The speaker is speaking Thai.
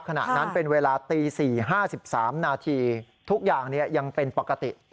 ขณะนั้นเป็นเวลาตี๔๕๓นาทีทุกอย่างยังเป็นปกติ